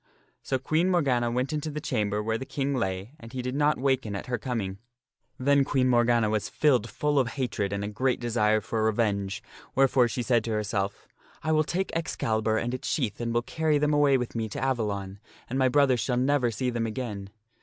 So Queen Morgana went into the chamber where the King lay and he did not waken at her coming. Then Queen Morgana was filled full of hatred and a great desire for revenge, wherefore she said to herself, " I will take Excalibur and his shield and will carry them away with me to Avalon, and my brother shall never see them again."